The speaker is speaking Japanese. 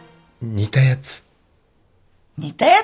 煮たやつ？